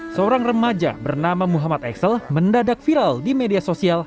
seorang remaja bernama muhammad axel mendadak viral di media sosial